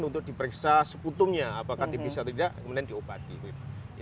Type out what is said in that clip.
untuk diperiksa sekutumnya apakah tipis atau tidak kemudian diobati